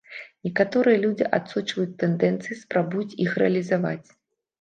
Некаторыя людзі адсочваюць тэндэнцыі спрабуюць іх рэалізаваць.